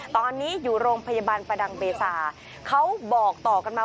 ตอนนี้อยู่โรงพยาบาลประดังเบซาเขาบอกต่อกันมา